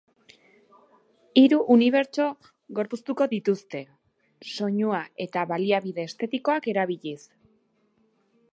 Hiru unibertso gorpuztuko dituzte, soinua eta baliabide estetikoak erabiliz.